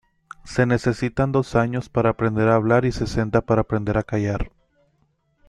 Se necesitan dos años para aprender a hablar y sesenta para aprender a callar.